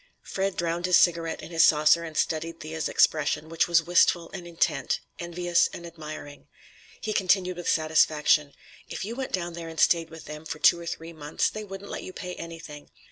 Fred drowned his cigarette in his saucer and studied Thea's expression, which was wistful and intent, envious and admiring. He continued with satisfaction: "If you went down there and stayed with them for two or three months, they wouldn't let you pay anything.